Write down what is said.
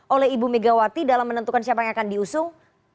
oleh ibu megawati dalam menentukan siapa yang akan diusung